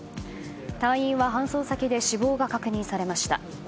隊員は搬送先で死亡が確認されました。